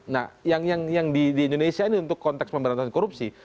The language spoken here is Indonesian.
nah yang di indonesia ini untuk konteks pemberantasan korupsi